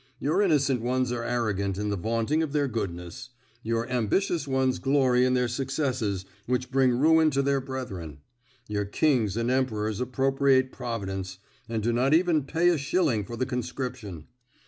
Your innocent ones are arrogant in the vaunting of their goodness; your ambitious ones glory in their successes which bring ruin to their brethren; your kings and emperors appropriate Providence, and do not even pay him a shilling for the conscription.